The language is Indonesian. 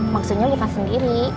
maksudnya bukan sendiri